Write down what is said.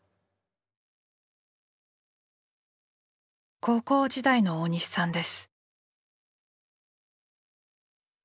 高校時代の大西さんです。